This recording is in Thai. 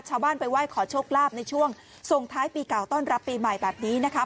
ชาวบ้านไปไหว้ขอโชคลาภในช่วงส่งท้ายปีเก่าต้อนรับปีใหม่แบบนี้นะคะ